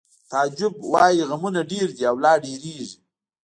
تعجب وایی غمونه ډېر دي او لا ډېرېږي